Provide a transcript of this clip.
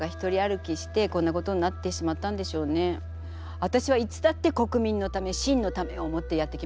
わたしはいつだって国民のため清のためを思ってやってきましたよ。